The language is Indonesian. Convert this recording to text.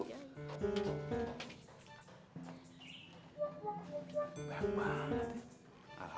baik banget ya